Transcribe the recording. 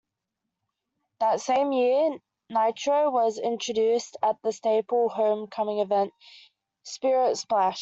That same year, Knightro was introduced at the staple homecoming event, Spirit Splash.